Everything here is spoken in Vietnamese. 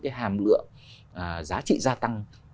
cái hàm lượng giá trị gia tăng